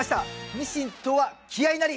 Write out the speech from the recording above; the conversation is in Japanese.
ミシンとは気合いなり！